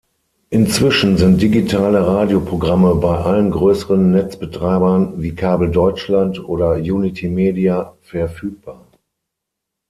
Inzwischen sind digitale Radioprogramme bei allen größeren Netzbetreibern, wie Kabel Deutschland oder Unitymedia, verfügbar.